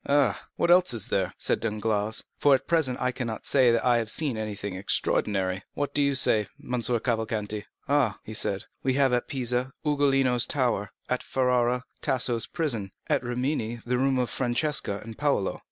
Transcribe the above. "Ah, what else is there?" said Danglars; "for, at present, I cannot say that I have seen anything extraordinary. What do you say, M. Cavalcanti?" "Ah," said he, "we have at Pisa, Ugolino's tower; at Ferrara, Tasso's prison; at Rimini, the room of Francesca and Paolo."